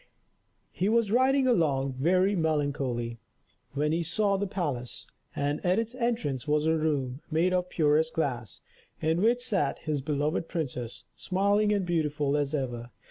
He was riding along, very melancholy, when he saw the palace; and at its entrance was a room, made of the purest glass, in which sat his beloved princess, smiling and beautiful as ever.